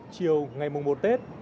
chiều ngày một tết